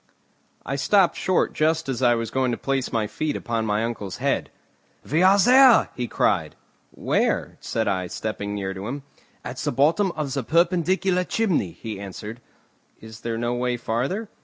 I stopped short just as I was going to place my feet upon my uncle's head. "We are there," he cried. "Where?" said I, stepping near to him. "At the bottom of the perpendicular chimney," he answered. "Is there no way farther?"